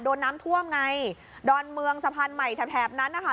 โดนน้ำท่วมไงดอนเมืองสะพานใหม่แถบแถบนั้นนะคะ